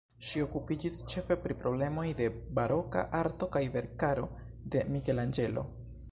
Ŝi okupiĝis ĉefe pri problemoj de baroka arto kaj verkaro de Mikelanĝelo.